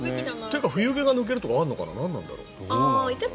というか冬毛が抜けるとかあるのかな、何なんだろう。